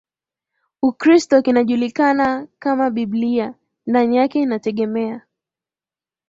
Ukristo kinajulikana kama Biblia Ndani yake inategemea